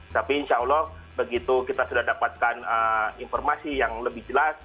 tapi insya allah begitu kita sudah dapatkan informasi yang lebih jelas